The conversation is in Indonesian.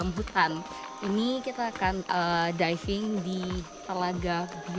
jangan berhasil menemukan pantai tetapi di dalam telaga berwarna biru